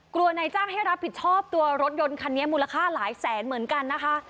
นายจ้างให้รับผิดชอบตัวรถยนต์คันนี้มูลค่าหลายแสนเหมือนกันนะคะ